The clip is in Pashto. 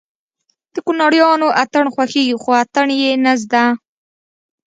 د کونړيانو اتڼ خوښېږي خو اتڼ يې نه زده